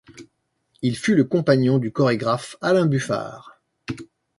Il fut le compagnon du chorégraphe Alain Buffard.